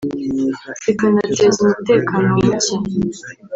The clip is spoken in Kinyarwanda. zikanateza umutekano muke